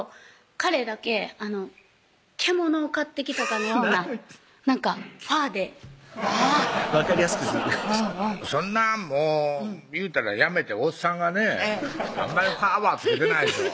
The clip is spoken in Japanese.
彼だけ獣を狩ってきたかのようなファーであぁ分かりやすくするそんなもういうたらやめておっさんがねファーはつけてないでしょう